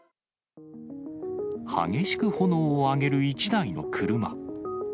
激しく炎を上げる１台の車。